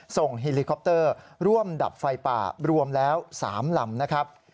เฮลิคอปเตอร์ร่วมดับไฟป่ารวมแล้ว๓ลำนะครับ